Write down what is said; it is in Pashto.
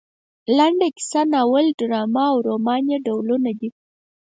لنډه کیسه ناول ډرامه او رومان یې ډولونه دي.